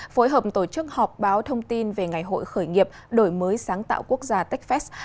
phối hợp tổ chức họp báo thông tin về ngày hội khởi nghiệp đổi mới sáng tạo quốc gia techfest